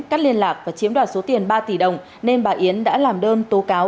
cắt liên lạc và chiếm đoạt số tiền ba tỷ đồng nên bà yến đã làm đơn tố cáo